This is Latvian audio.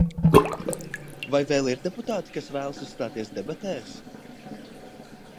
Vai vēl ir deputāti, kas vēlas uzstāties debatēs?